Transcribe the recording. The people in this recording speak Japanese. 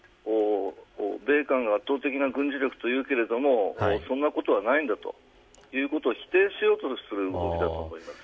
米韓が圧倒的な軍事力というけれどもそんなことはないんだということを否定しようとする動きだと思います。